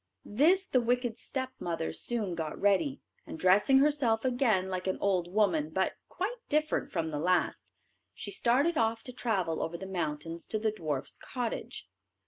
This the wicked stepmother soon got ready, and dressing herself again like an old woman, but quite different from the last, she started off to travel over the mountains to the dwarfs' cottage.